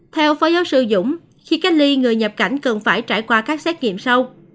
theo phó giáo sư dũng khi cách ly người nhập cảnh cần phải trải qua các xét nghiệm sau